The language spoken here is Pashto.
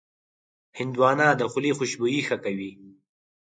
هندوانه د خولې خوشبويي ښه کوي.